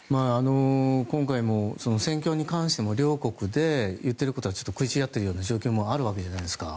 今回も戦況に関しても両国で言っていることがちょっと食い違ってるような状況もあるわけじゃないですか。